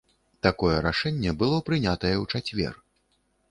Такое рашэнне было прынятае ў чацвер.